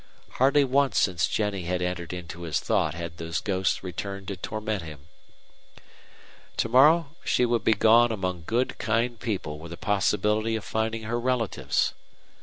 Hardly once since Jennie had entered into his thought had those ghosts returned to torment him. To morrow she would be gone among good, kind people with a possibility of finding her relatives.